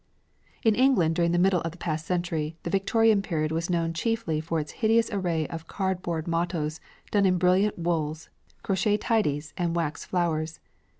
In England during the middle of the past century, the Victorian period was known chiefly for its hideous array of cardboard mottoes done in brilliant wools, crochet tidies, and wax flowers.